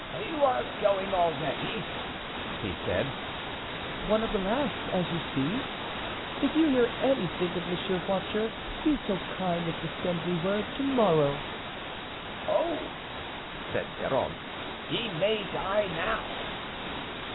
"You are going already?" he said. "One of the last, as you see; if you hear anything of Monsieur Voiture, be so kind as to send me word to morrow." "Oh!" said Scarron, "he may die now."